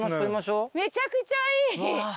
めちゃくちゃいい。